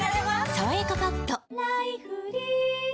「さわやかパッド」